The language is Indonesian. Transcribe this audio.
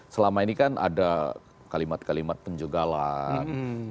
selama ini kan ada kalimat kalimat penjagalan